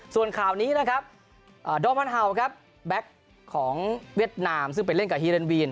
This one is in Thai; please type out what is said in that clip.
ส่วนข่าวนี้นะครับดอมพันฮาวแบ็คของเวียดนามซึ่งเป็นเล่นกับฮีเรนวีน